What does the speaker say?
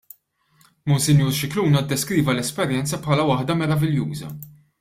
Monsinjur Scicluna ddeskriva l-esperjenza bħala waħda meraviljuża.